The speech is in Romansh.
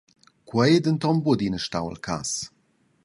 Quei ei denton buc adina stau il cass.